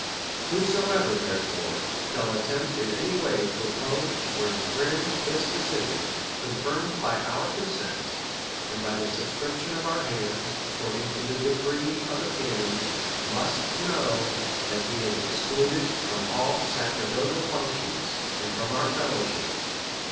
Whosoever, therefore, shall attempt in any way to oppose or infringe this decision, confirmed by our consent, and by the subscription of our hands, according to the decree of the canons, must know, that he is excluded from all sacerdotal functions, and from our fellowship.